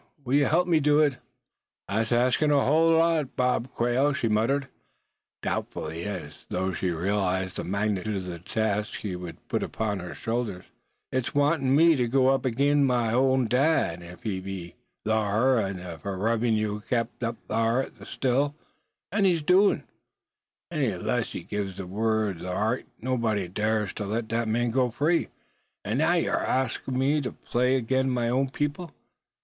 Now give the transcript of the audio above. Will you help me do it?" "Thet's asking a hull lot, Bob Quail," she muttered, doubtfully, as though she realized the magnitude of the task he would put upon her shoulders. "It's wantin' me to go agin my own dad. If so be thar is a revenue kep' up thar to the Still, it's his doin's. An' 'less he gives the word, thar ain't nobody dar's to let that man go free. An' now ye arsk me to play agin my own people.